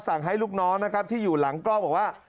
สั่งให้ลูกน้องนะครับที่อยู่หลังกล้องบอกว่า